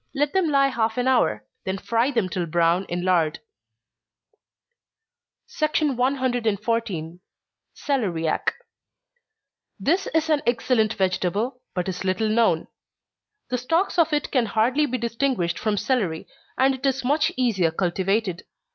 Let them lie half an hour then fry them till brown in lard. 114. Celeriac. This is an excellent vegetable, but is little known. The stalks of it can hardly be distinguished from celery, and it is much easier cultivated.